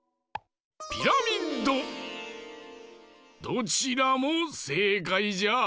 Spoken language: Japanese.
どちらもせいかいじゃ。